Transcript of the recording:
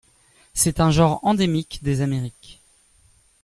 C'est un genre endémique des Amérique.